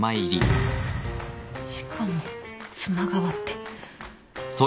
しかも妻側って。